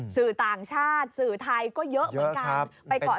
สื่อต่างชาติสื่อไทยก็เยอะเหมือนกันไปก่อน